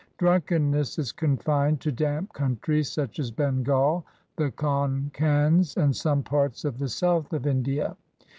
Drunkenness is confined to damp countries, such as Bengal, the Concans, and some parts of the south of India.